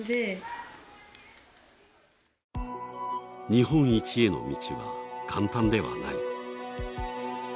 日本一への道は簡単ではない。